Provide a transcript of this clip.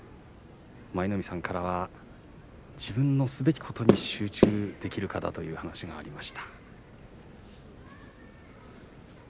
舞の海さんからは自分のすべきことに集中できるかどうかという話がありました。